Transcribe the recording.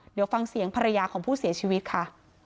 เดี๋ยวฟังเสียงภรรยาของผู้เสียชีวิตค่ะ